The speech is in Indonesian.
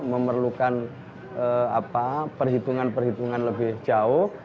memerlukan perhitungan perhitungan lebih jauh